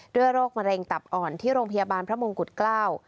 โรคมะเร็งตับอ่อนที่โรงพยาบาลพระมงกุฎเกล้า